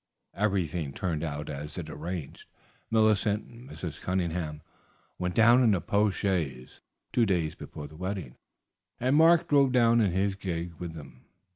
Everything turned out as arranged. Millicent and Mrs. Cunningham went down in a post chaise, two days before the wedding, and Mark drove down in his gig with them.